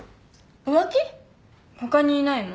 他にいないの？